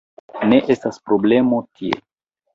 Do, ne estas problemo tie